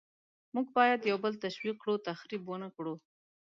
موږ باید یو بل تشویق کړو، تخریب ونکړو.